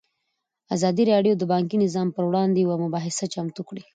ازادي راډیو د بانکي نظام پر وړاندې یوه مباحثه چمتو کړې.